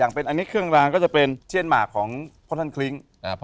อันนี้เครื่องรางก็จะเป็นเจียนหมากของพ่อท่านคลิ้ง